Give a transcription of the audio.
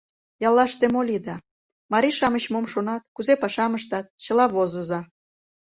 Яллаште мо лиеда, марий-шамыч мом шонат, кузе пашам ыштат — чыла возыза.